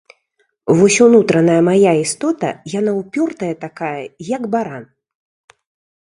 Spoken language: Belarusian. Вось унутраная мая істота яна ўпёртая такая, як баран.